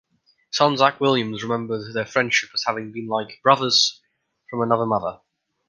Son Zak Williams remembered their friendship as having been like "brothers from another mother".